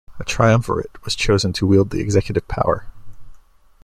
A Triumvirate was chosen to wield the executive power.